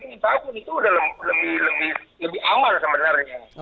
minta aku itu sudah lebih aman sebenarnya